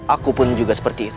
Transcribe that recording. aku pun juga seperti itu